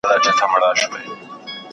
¬ په ډېري کې خوره، په لږي کې وېشه.